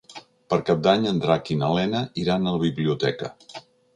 Per Cap d'Any en Drac i na Lena iran a la biblioteca.